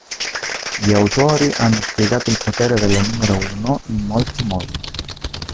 Gli autori hanno spiegato il potere della Numero Uno in molti modi.